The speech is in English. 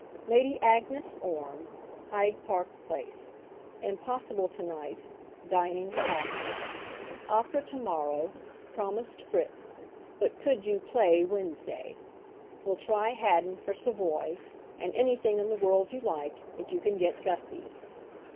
"Lady Agnes Orme, Hyde Park Place. Impossible to night, dining Haddon. Opera to morrow, promised Fritz, but could do play Wednesday. Will try Haddon for Savoy, and anything in the world you like, if you can get Gussy.